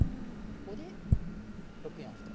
ここで６四歩と。